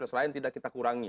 selain tidak kita kurangi